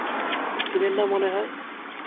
চিনেন না মনে হয়?